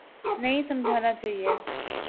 نہیں سمجھانا چاہیے۔